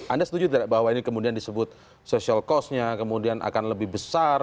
anda setuju tidak bahwa ini kemudian disebut social cost nya kemudian akan lebih besar